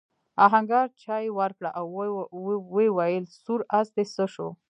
آهنګر چايي ورکړه او وویل سور آس دې څه شو؟